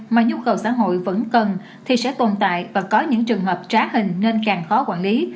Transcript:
mà nhu cầu xã hội vẫn cần thì sẽ tồn tại và có những trường hợp trá hình nên càng khó quản lý